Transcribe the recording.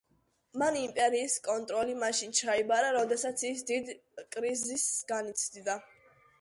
მან იმპერიის კონტროლი მაშინ ჩაიბარა როდესაც ის დიდ კრიზისს განიცდიდა.